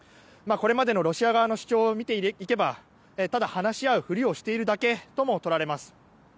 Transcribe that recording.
これまでのロシア側の主張を見ていけばただ話し合うふりをしているだけとも取られます。